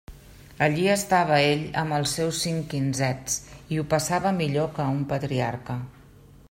Allí estava ell amb els seus cinc quinzets, i ho passava millor que un patriarca.